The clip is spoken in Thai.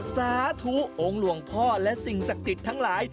สาธุองค์หลวงพ่อและสิ่งศักดิ์สิทธิ์ทั้งหลาย